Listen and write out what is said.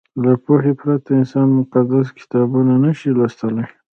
له پوهې پرته انسان مقدس کتابونه نه شي لوستلی.